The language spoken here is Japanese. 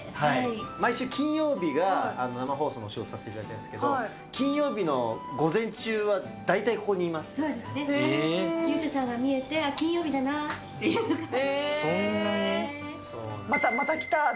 毎週金曜日が生放送の仕事をさせていただいてるんですけど、金曜日の午前中は大体ここにいまそうですね。裕太さんが見えて、あっ、金曜日だなっていう感じ。